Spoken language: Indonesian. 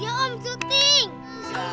yuk om syuting